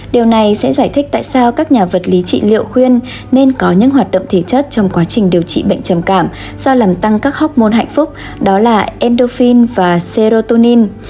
điều này sẽ giải thích tại sao các nhà vật lý trị liệu khuyên nên có những hoạt động thể chất trong quá trình điều trị bệnh trầm cảm do làm tăng các học môn hạnh phúc đó là emdofin và serotonin